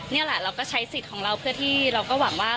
นี่แหละเราก็ใช้สิทธิ์ของเราเพื่อที่เราก็หวังว่า